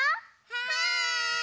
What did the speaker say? はい！